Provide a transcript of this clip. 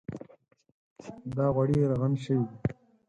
دا غوړي ږغن شوي دي.